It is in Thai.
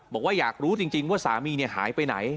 บอกว่าอยากรู้จริงว่าสามีหายไปไหน